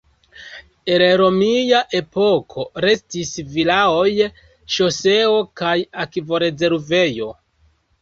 El romia epoko restis vilaoj, ŝoseo, kaj akvorezervejo.